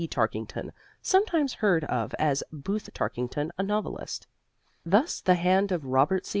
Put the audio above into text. Tarkington, sometimes heard of as Booth Tarkington, a novelist. Thus the hand of Robert C.